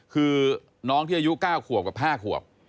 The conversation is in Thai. คือน้องที่อายุ๙ขวบกับ๕ขวบ